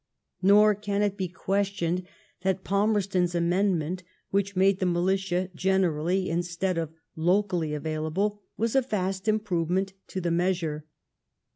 Nor can it be questioned that Palmerston's amendment, which made the militia generally instead of ^'locally" available, was a vast improvement to the measure.